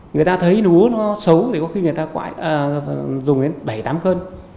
người ta thấy núi nó xấu thì có khi người ta dùng đến bảy tám cân